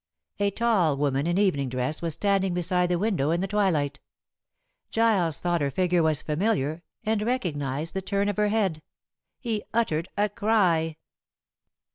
A tall woman in evening dress was standing beside the window in the twilight. Giles thought her figure was familiar and recognized the turn of her head. He uttered a cry.